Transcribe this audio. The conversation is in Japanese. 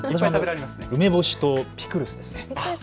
私は梅干しとピクルスです。